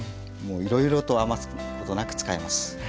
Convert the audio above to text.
もういろいろと余すことなく使えます。